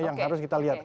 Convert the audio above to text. yang harus kita lihat